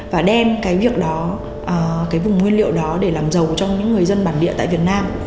và đem cái việc đó cái vùng nguyên liệu đó để làm giàu cho những người dân bản địa tại việt nam